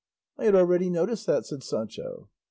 "I had already noticed that," said Sancho.